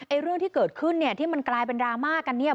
เรื่องที่เกิดขึ้นเนี่ยที่มันกลายเป็นดราม่ากันเนี่ย